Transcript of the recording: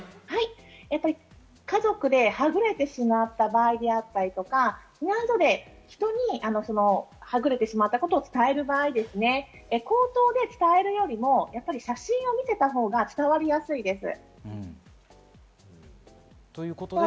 家族ではぐれてしまった場合であったりとか、避難所で人にはぐれてしまったことを伝える場合、口頭で伝えるよりも写真を見せたほうが伝わりやすいです。